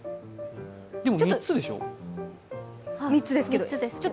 でも３つでしょう？